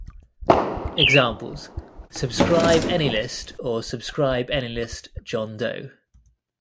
Examples: "subscribe anylist" or "subscribe anylist John Doe".